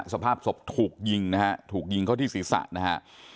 สภาพศพถูกยิงนะฮะถูกยิงเข้าที่ศีรษะนะฮะ